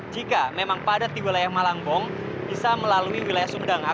jika memang padat di wilayah malangbong bisa melalui wilayah sumedang